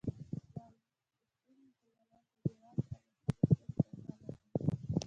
د اسلام اصول مسلمانانو ته د یووالي، پرمختګ، او سولې پیغام ورکوي.